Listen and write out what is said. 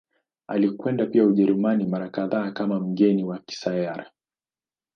Alikwenda pia Ujerumani mara kadhaa kama mgeni wa Kaisari.